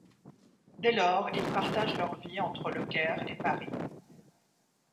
Dès lors, ils partagent leur vie entre Le Caire et Paris.